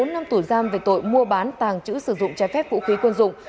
bốn năm tùy giam về tội mua bán tàng chữ sử dụng trái phép vũ khí quân dụng